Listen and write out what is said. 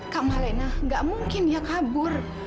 kamalena gak mungkin dia kabur